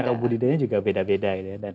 cara pembudidayanya juga beda beda gitu ya